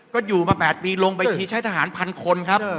ก็อยู่มา๘ปีลงไปทีใช้ทหารพันคนครับ